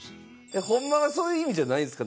ホンマはそういう意味じゃないんですか？